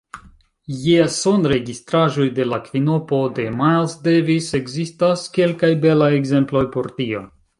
Je sonregistraĵoj de la kvinopo de Miles Davis ekzistas kelkaj belaj ekzemploj por tio.